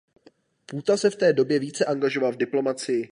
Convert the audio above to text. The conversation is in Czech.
Půta se v této době více angažoval v diplomacii.